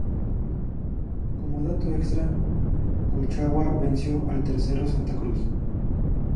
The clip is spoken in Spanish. Como dato extra, Colchagua venció al tercero Santa Cruz.